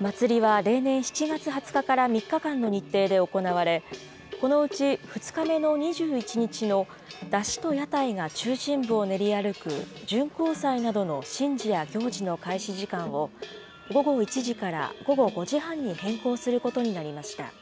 祭りは例年７月２０日から３日間の日程で行われ、このうち２日目の２１日の山車と屋台が中心部を練り歩く、巡行祭などの神事や行事の開始時間を、午後１時から午後５時半に変更することになりました。